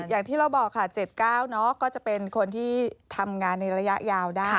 อย่างที่เราบอกค่ะ๗๙ก็จะเป็นคนที่ทำงานในระยะยาวได้